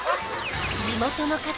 地元の方